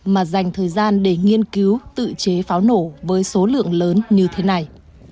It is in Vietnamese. mà dành thời gian để nghiên cứu tự chế pháo nổ với số lượng lớn như thế này